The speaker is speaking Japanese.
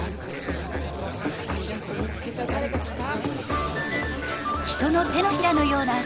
「あしあとみつけただれがきた？」